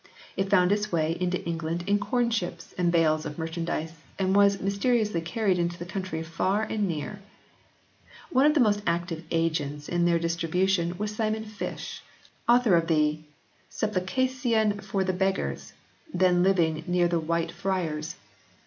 It found its way into England in corn ships and bales of merchandise and was mysteriously carried into the country far and near. One of the most active agents in their distri bution was Simon Fish, author of the " Supplicacyon for the Beggars/ then living near the White Friars.